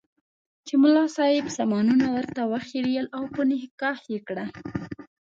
چې ملا صاحب سامانونه ورته وخریېل او په نکاح یې کړه.